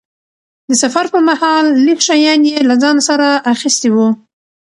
د سفر پرمهال لږ شیان یې له ځانه سره اخیستي وو.